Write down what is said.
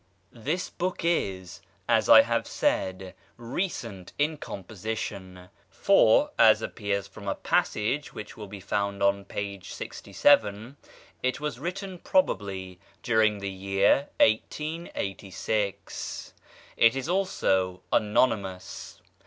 This book is, as I have said, recent in composition; for, as appears from a passage which will be found on p. 67, it was written probably during the year 1886. It is also anonymous.